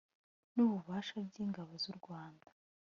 ni ububabasha by’ingabo z’u rwanda